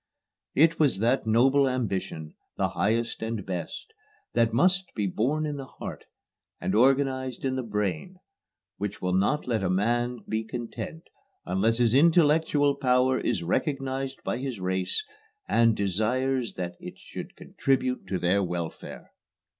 "It was that noble ambition, the highest and best, that must be born in the heart, and organized in the brain, which will not let a man be content unless his intellectual power is recognized by his race, and desires that it should contribute to their welfare."